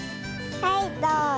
はいどうぞ。